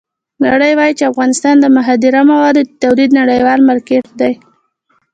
نړۍ وایي چې افغانستان د مخدره موادو د تولید نړیوال مارکېټ دی.